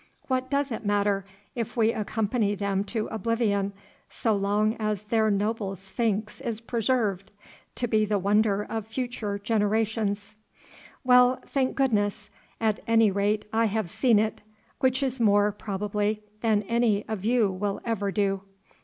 What does it matter if we accompany them to oblivion so long as that noble sphinx is preserved to be the wonder of future generations? Well, thank goodness, at any rate I have seen it, which is more, probably, than any of you will ever do.